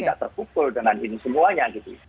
tidak terpukul dengan ini semuanya gitu